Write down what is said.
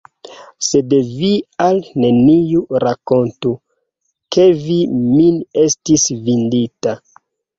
Sed vi al neniu rakontu, ke vi min estis vidinta!